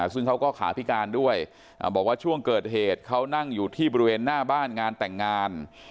ซึ่งเขาก็ขาพิการด้วยบอกว่าช่วงเกิดเหตุเขานั่งอยู่ที่บริเวณหน้าบ้านงานแต่งงาน